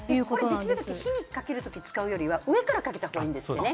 できるだけ火にかけるときに使うより、上からかけた方がいいんですよね？